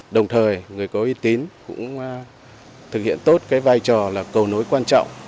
đồng thời người có uy tín cũng thực hiện tốt cái vai trò là cầu nối quan trọng